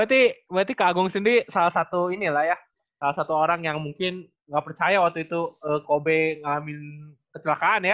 berarti kak agung sendiri salah satu inilah ya salah satu orang yang mungkin nggak percaya waktu itu kobe ngamin kecelakaan ya